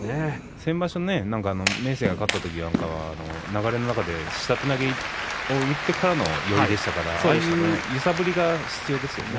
先場所、明生が勝ったときは、流れの中で下手投げを打ってからでしたから、ああいう揺さぶりが必要ですよね